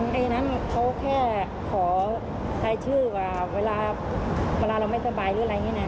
ที่ไทยไม่ตรวจนะตรวจแต่ตรงไอ้นั้นเขาแค่ขอให้ชื่อว่าเวลาเราไม่สบายหรืออะไรอย่างนี้นะ